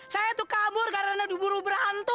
saya tuh kabur karena duburu berhantu